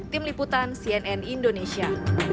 tim liputan cnn indonesia